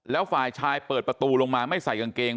แล้วฝ่ายชายเปิดประตูลงมาไม่ใส่กางเกง